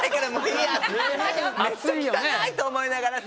汚いと思いながら。